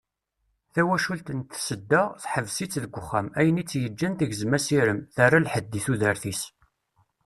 Tawacult n Tsedda, teḥbes-itt deg uxxam, ayen i tt-yeǧǧan tegzem asirem, terra lḥedd i tudert-is.